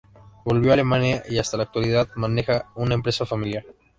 Volvió a Alemania y hasta la actualidad maneja una empresa familiar.